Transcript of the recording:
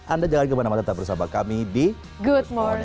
anda jangan kemana mana tetap bersama kami di good morning